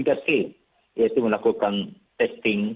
yaitu melakukan testing